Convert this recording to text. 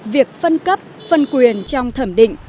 việc phân cấp phân quyền trong thẩm định